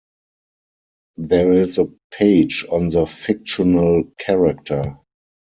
There is a page on the fictional character.